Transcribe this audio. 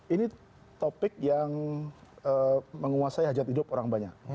ini topik yang menguasai hajat hidup orang banyak